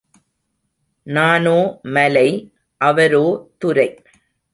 நானோ மலை அவரோ துரை.